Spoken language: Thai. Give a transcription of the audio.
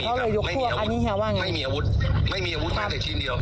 เขาเลยยกพวกอันนี้ค่ะว่าไงไม่มีอาวุธไม่มีอาวุธมาแต่ชิ้นเดียว